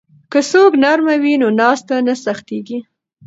که څوکۍ نرمه وي نو ناسته نه سختیږي.